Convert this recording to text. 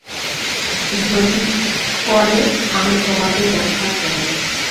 যদি করে, আমি তোমাদের রক্ষা করব।